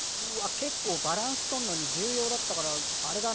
けっこうバランスとんのに重要だったからあれだな。